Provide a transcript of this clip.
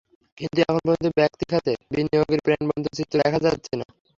কিন্তু এখন পর্যন্ত ব্যক্তি খাতের বিনিয়োগের প্রাণবন্ত চিত্র দেখা যাচ্ছে না।